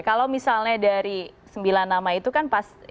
kalau misalnya dari sembilan nama itu kan pas